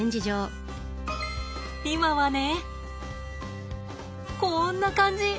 今はねこんな感じ。